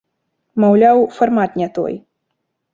Маўляў, фармат не той.